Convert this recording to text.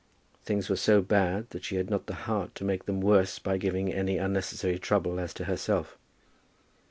Things were so bad that she had not the heart to make them worse by giving any unnecessary trouble as to herself.